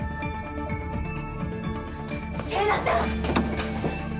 星名ちゃん。